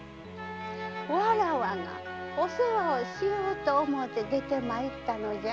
わらわがお世話しようと思って出て参ったのじゃえ。